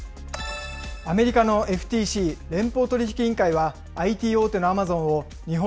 アメリカのＦＴＣ・連邦取引委員会は、ＩＴ大手のアマゾンを日本